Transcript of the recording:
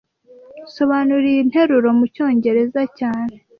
Sobanura iyi nteruro mucyongereza cyane